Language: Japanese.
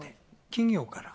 企業から。